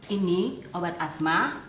ini obat asma